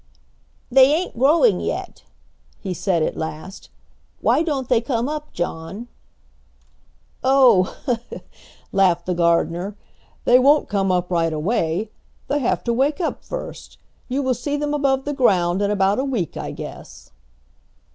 "They ain't growing yet," he said at last. "Why don't they come up, John?" "Oh!" laughed the gardener, "they won't come up right away. They have to wake up first. You will see them above the ground in about a week, I guess."